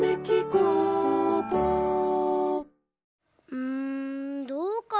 うんどうかな。